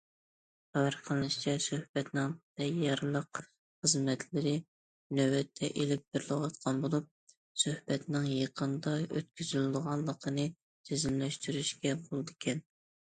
خەۋەر قىلىنىشىچە سۆھبەتنىڭ تەييارلىق خىزمەتلىرى نۆۋەتتە ئېلىپ بېرىلىۋاتقان بولۇپ، سۆھبەتنىڭ يېقىندا ئۆتكۈزۈلىدىغانلىقىنى جەزملەشتۈرۈشكە بولىدىكەن.